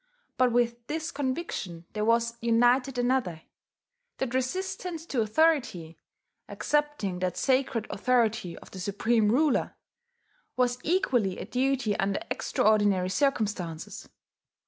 But with this conviction there was united another, that resistance to authority (excepting the sacred authority of the Supreme Ruler) was equally a duty under extraordinary circumstances.